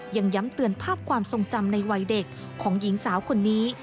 ยังย้ำเตือนภาพความทรงจำในวัยเด็กของหญิงสาวคนนี้